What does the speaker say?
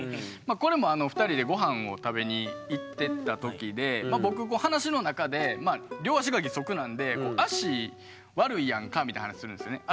これも２人でごはんを食べに行ってた時で僕話の中で両足が義足なんでみたいな話するんですよね。